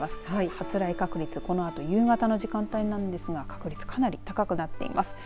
発雷確率このあと夕方の時間帯なんですが確率かなり高くなっています。